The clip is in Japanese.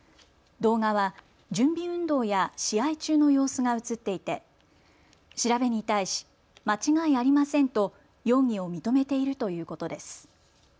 動画は準備運動や試合中の様子が写っていて調べに対し間違いありませんと容疑を認めているということです。